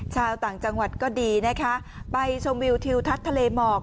ชาวต่างจังหวัดก็ดีนะคะไปชมวิวทิวทัศน์ทะเลหมอก